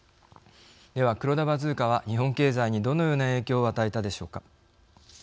では、黒田バズーカは日本経済にどのような影響を与えたでしょうか。